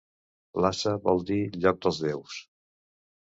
Lhasa vol dir 'lloc dels déus'.